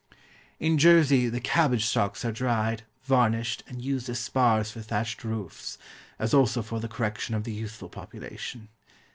In Jersey the cabbage stalks are dried, varnished, and used as spars for thatched roofs, as also for the correction of the youthful population.